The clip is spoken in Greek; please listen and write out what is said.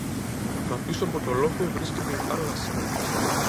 Μα πίσω από το λόφο βρίσκεται η θάλασσα